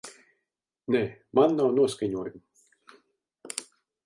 Nē, man nav noskaņojuma.